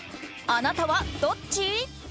あなたはどっち？